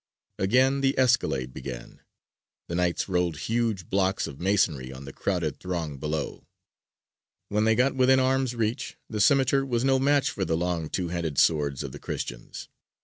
Again the escalade began: the Knights rolled huge blocks of masonry on the crowded throng below; when they got within arms' reach the scimitar was no match for the long two handed swords of the Christians.